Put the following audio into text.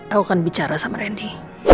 aku akan bicara sama randy